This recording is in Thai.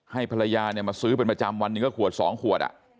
ให้ภรรยาเนี่ยมาซื้อเป็นประจำวันหนึ่งก็ขวด๒ขวด